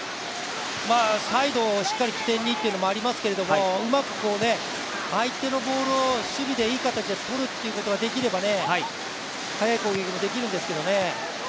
サイドをしっかり起点にというのもありますけれども、うまく相手のボールを守備でいい形でとることができれば、早い攻撃にできるんですけどね。